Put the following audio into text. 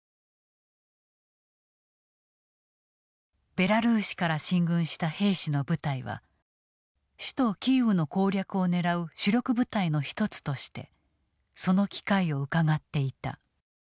ベラルーシから進軍した兵士の部隊は首都キーウの攻略を狙う主力部隊の一つとしてその機会をうかがっていた。